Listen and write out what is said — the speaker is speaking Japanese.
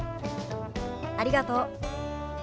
ありがとう。